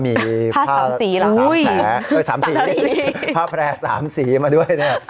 มีผ้าแผลสามสีมาด้วยเนี่ยอื้อสามสีสามสี